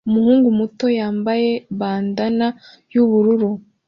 Umuhungu muto yambaye bandanna yubururu